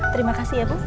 terima kasih ya bu